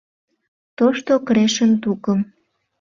ТОШТО КРЕШЫН ТУКЫМ